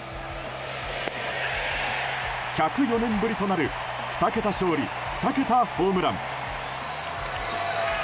１０４年ぶりとなる２桁勝利２桁ホームラン。